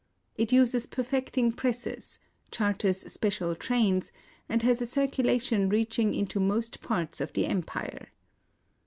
It uses perfecting presses, charters special trains, and has a circulation reaching into most parts of the empire.